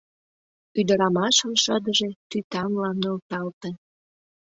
Ӱдырамашын шыдыже тӱтанла нӧлталте.